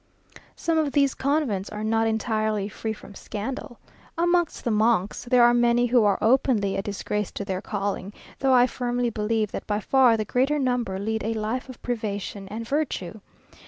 Some of these convents are not entirely free from scandal. Amongst the monks, there are many who are openly a disgrace to their calling, though I firmly believe that by far the greater number lead a life of privation and virtue.